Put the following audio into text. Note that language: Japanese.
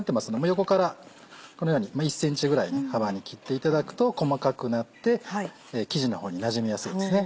横からこのように１ｃｍぐらいの幅に切っていただくと細かくなって生地の方になじみやすいですね。